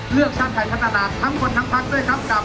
เลือกชาติไทยพัฒนาทั้งคนทั้งพักด้วยซ้ำกับ